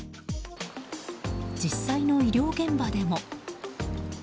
実際の医療現場でも。